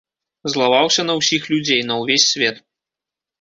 Злаваўся на ўсіх людзей, на ўвесь свет.